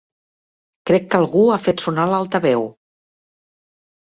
Crec que algú ha fet sonar l'altaveu!